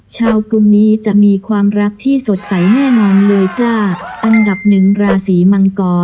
ชาวกุมนี้จะมีความรักที่สดใสแน่นอนเลยจ้า